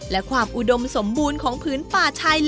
และความอุดมสมบูรณ์ของผู้ชมที่นี่มากขึ้นเรื่อยแล้วค่ะ